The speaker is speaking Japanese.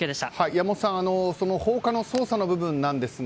山本さん放火の捜査の部分なんですが